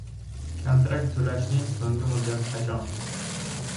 Kontrakt to‘lashning so‘nggi muddati qachon?